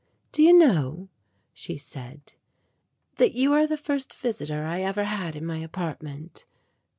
"Do you know," she said, "that you are the first visitor I ever had in my apartment?